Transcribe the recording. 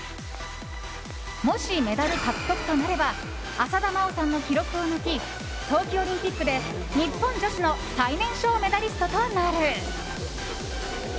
もし、メダル獲得となれば浅田真央さんの記録を抜き冬季オリンピックで日本女子の最年少メダリストとなる。